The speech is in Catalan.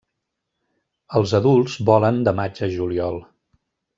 Els adults volen de maig a juliol.